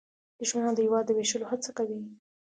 دښمنان د هېواد د ویشلو هڅه کوي